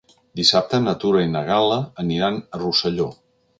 Dissabte na Tura i na Gal·la aniran a Rosselló.